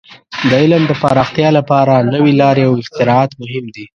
د علم د پراختیا لپاره نوې لارې او اختراعات مهم دي.